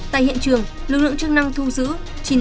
tại hiện trường lực lượng chức năng thu giữ